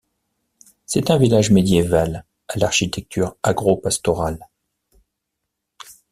C'est un village médiéval à l'architecture agro-pastorale.